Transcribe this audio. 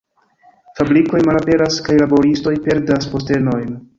Fabrikoj malaperas kaj laboristoj perdas postenojn.